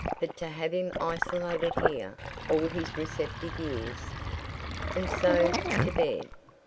But to have him isolated here all his receptive years "And so to bed.